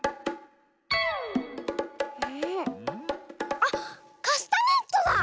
あっカスタネットだ！